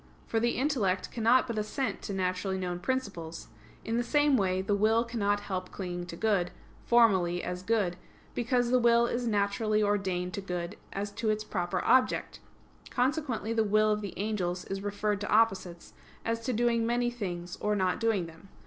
For the intellect cannot but assent to naturally known principles; in the same way, the will cannot help clinging to good, formally as good; because the will is naturally ordained to good as to its proper object. Consequently the will of the angels is referred to opposites, as to doing many things, or not doing them.